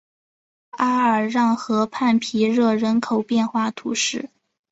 阿尔让河畔皮热人口变化图示